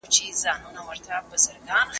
د غالب د دیوان خطي نسخه په لابراتوار کې وکتل سوه.